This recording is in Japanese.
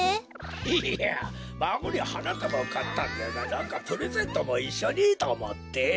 いやまごにはなたばをかったんじゃがなんかプレゼントもいっしょにとおもって。